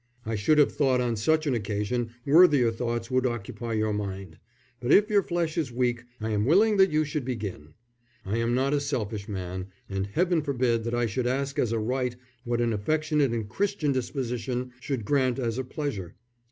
I should have thought on such an occasion worthier thoughts would occupy your mind. But if your flesh is weak I am willing that you should begin. I am not a selfish man, and Heaven forbid that I should ask as a right what an affectionate and Christian disposition should grant as a pleasure."